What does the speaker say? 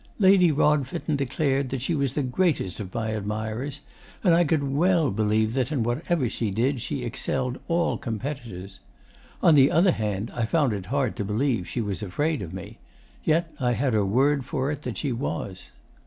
Lady Rodfitten declared she was the greatest of my admirers; and I could well believe that in whatever she did she excelled all competitors. On the other hand, I found it hard to believe she was afraid of me. Yet I had her word for it that she was.